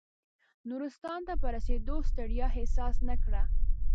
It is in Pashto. نورستان ته په رسېدو ستړیا احساس نه کړه.